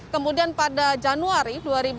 kemudian pada januari dua ribu sembilan belas